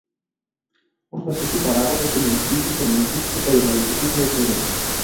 ως βασικού παράγοντα κοινωνικής, οικονομικής και περιβαλλοντικής αειφορίας.